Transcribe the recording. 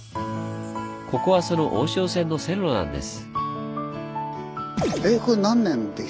ここはその大汐線の線路なんです。